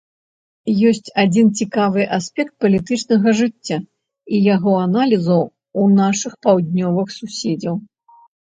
Ёсць адзін цікавы аспект палітычнага жыцця і яго аналізу ў нашых паўднёвых суседзяў.